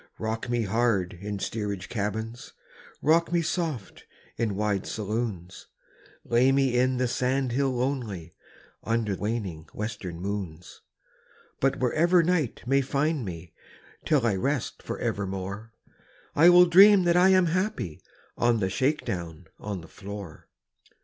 Rock me hard in steerage cabins, Rock me soft in wide saloons, Lay me on the sand hill lonely Under waning western moons; But wherever night may find me Till I rest for evermore I will dream that I am happy On the shake down on the floor.